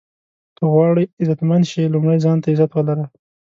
که غواړئ عزتمند شې لومړی ځان ته عزت ولره.